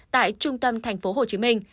tại trung tâm tp hcm